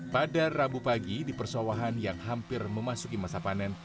pada rabu pagi di persawahan yang hampir memasuki masa panen